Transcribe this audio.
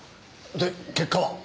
で結果は？